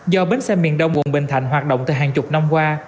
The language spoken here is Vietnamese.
do bến xe miền đông quận bình thạnh hoạt động từ hàng chục năm qua